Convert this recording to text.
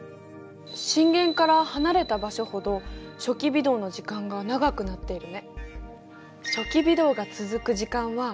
震源から離れた場所ほど初期微動の時間が長くなってるね。